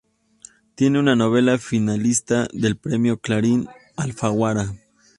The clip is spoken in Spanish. Tiene una novela finalista del Premio Clarín Alfaguara.